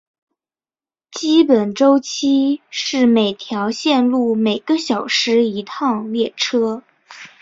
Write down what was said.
基本周期是每条线路每个小时一趟列车。